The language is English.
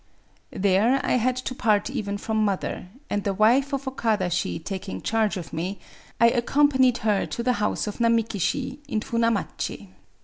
There I had to part even from mother; and the wife of Okada Shi taking charge of me, I accompanied her to the house of Namaki Shi in Funamachi.